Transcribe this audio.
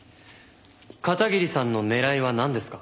片桐さんの狙いはなんですか？